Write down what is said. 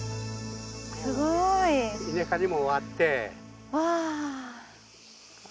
すごい稲刈りも終わってわあ